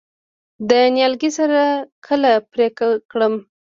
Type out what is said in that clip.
د نیالګي سر کله پرې کړم؟